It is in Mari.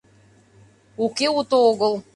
— Уке, уто огыл.